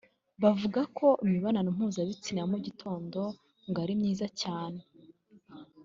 bavuga ko imibonano mpuzabitsina ya mu gitondo ngo ari myiza cyane